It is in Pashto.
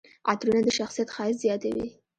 عطرونه د شخصیت ښایست زیاتوي.